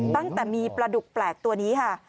ตั้งแต่มีปลาดุกแปลกตัวนี้ค่ะ